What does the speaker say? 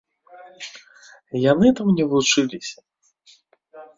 Яны там не вучыліся.